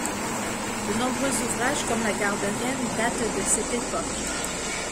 De nombreux ouvrages comme la gare de Rennes datent de cette époque.